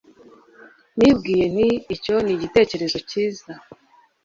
Nibwiye nti: "Icyo ni igitekerezo cyiza."